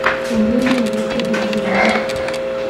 کمرے نی حالت کہہ بنی ہوئی نی